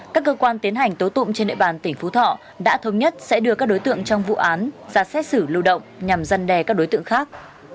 các cơ quan tiến hành tố tụm trên nội bàn tỉnh phú thọ đã thống nhất sẽ đưa các đối tượng trong vụ án ra xét xử lưu động nhằm dân đè các đối tượng khác